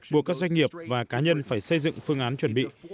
buộc các doanh nghiệp và cá nhân phải xây dựng phương án chuẩn bị